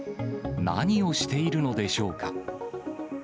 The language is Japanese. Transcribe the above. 何をしているのでしょうか。